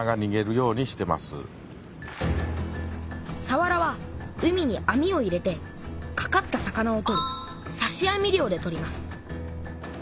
さわらは海に網を入れてかかった魚を取るさし網漁で取ります